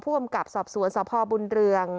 อำกับสอบสวนสพบุญเรือง